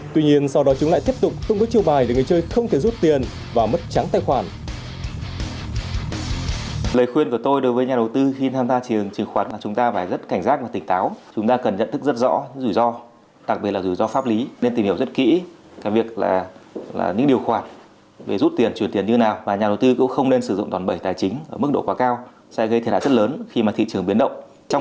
tuy nhiên sau đó chúng lại tiếp tục tung với chiêu bài để người chơi không thể rút tiền và mất trắng tài khoản